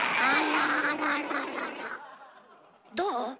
どう？